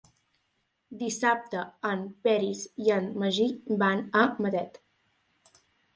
Dissabte en Peris i en Magí van a Matet.